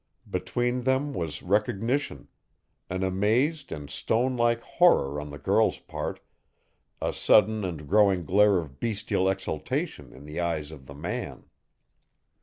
Between them was recognition an amazed and stone like horror on the girl's part, a sudden and growing glare of bestial exultation in the eyes of the man.